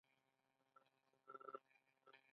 د نشې د زهرو لپاره ډیرې اوبه وڅښئ